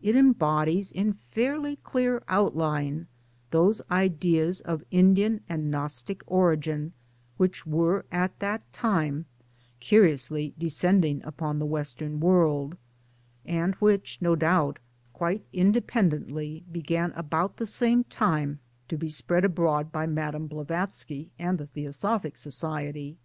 It embodies in fairly clear outline those ideas of Indian and Gnostic origin which were at that time curiously descending upon the Western world, and which no doubt quite independently began about the same time to be spread abroad by Mme. Blavatsky and the Theosophic Society.